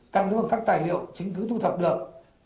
căn cứ bằng các tài liệu chính cứ thu thập được